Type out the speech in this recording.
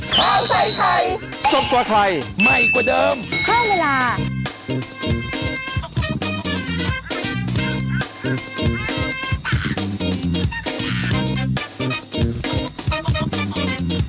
ข้าวใส่ไทยสดกว่าไทยใหม่กว่าเดิมเพิ่มเวลา